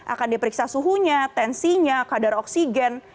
akan diperiksa suhunya tensinya kadar oksigen